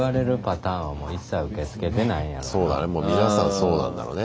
そうだね